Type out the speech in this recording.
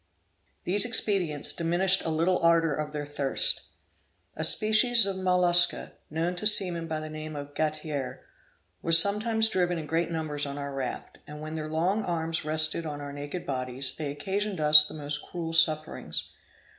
These expedients diminished a little the ardor of their thirst. A species of molusca, known to seamen by the name of gatere, was sometimes driven in great numbers on our raft; and when their long arms rested on our naked bodies, they occasioned us the most cruel sufferings.